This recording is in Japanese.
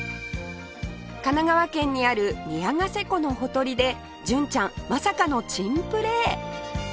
神奈川県にある宮ヶ瀬湖のほとりで純ちゃんまさかの珍プレー